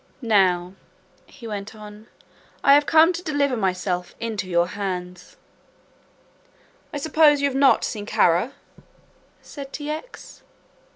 "Now," he went on, "I have come to deliver myself into your hands." "I suppose you have not seen Kara?" said T. X.